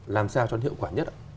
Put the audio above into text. làm sao cho hiệu quả nhất